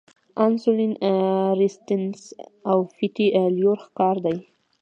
انسولین ريزسټنس او فېټي لیور ښکار دي -